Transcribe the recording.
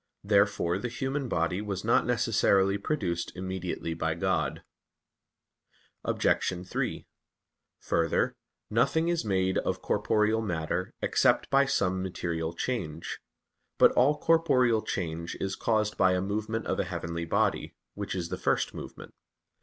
Therefore the human body was not necessarily produced immediately by God. Obj. 3: Further, nothing is made of corporeal matter except by some material change. But all corporeal change is caused by a movement of a heavenly body, which is the first movement.